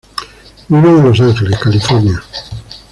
Viven en Los Angeles, California.